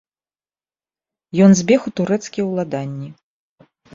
Ён збег у турэцкія ўладанні.